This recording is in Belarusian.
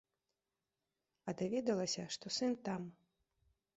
А даведалася, што сын там.